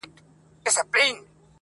يوه ورځ د لوى ځنگله په يوه كونج كي٫